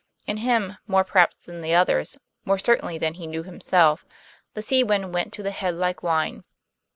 In him, more perhaps than the others more certainly than he knew himself the sea wind went to the head like wine.